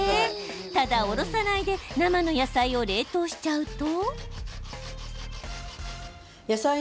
ただ、おろさないで生の野菜を冷凍しちゃうと。